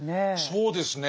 そうですね。